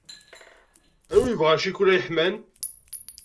Anwa ay yebɣan ccikula yeḥman?